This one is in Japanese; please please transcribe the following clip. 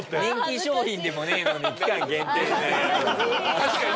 確かにね！